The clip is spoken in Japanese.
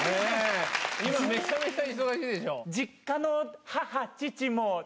今めちゃめちゃ忙しいでしょ？